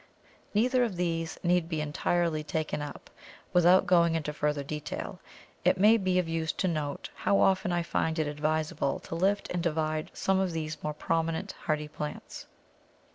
Neither of these need be entirely taken up. Without going into further detail, it may be of use to note how often I find it advisable to lift and divide some of the more prominent hardy plants.